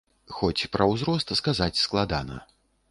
Хоць пра ўзрост сказаць складана.